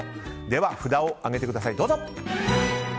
では、札を上げてください。